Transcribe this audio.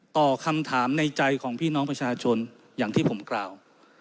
ต่อคำถามในใจของพี่น้องประชาชนอย่างที่ผมกล่าว